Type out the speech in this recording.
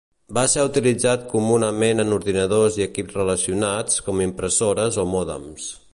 Va ser utilitzat comunament en ordinadors i equips relacionats, com impressores o mòdems.